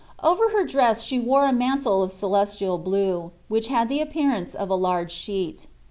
Over her dress she wore a mantle of celestial blue, which had the appearance of a large sheet.